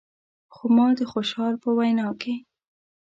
خو ما د خوشحال په وینا کې.